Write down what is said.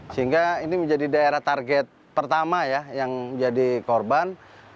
sehingga ini menjadi daerah target pertama ya yang jadi korban